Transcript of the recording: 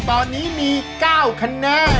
ตอนนี้มี๙คะแนน